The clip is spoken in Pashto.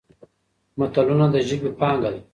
متلونه د ژبې پانګه ده.